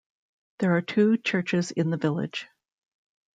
There are two churches in the village.